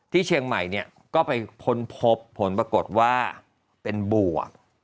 ที่เชียงใหม่เนี่ยก็ไปค้นพบผลปรากฏว่าเป็นบวก